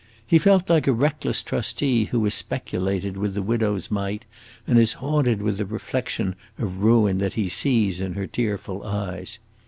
He felt like a reckless trustee who has speculated with the widow's mite, and is haunted with the reflection of ruin that he sees in her tearful eyes.